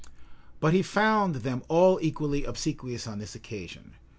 But he found them all equally obsequious on this occasion.